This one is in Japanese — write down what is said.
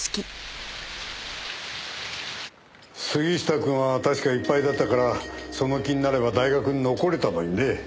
杉下くんは確か一敗だったからその気になれば大学に残れたのにねぇ。